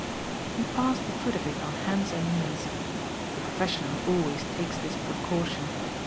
He passed the foot of it on hands and knees. The professional always takes this precaution.